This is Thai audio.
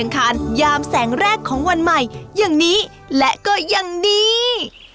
กับแสงแรกของวันใหม่อย่างนี้และก็อย่างนี้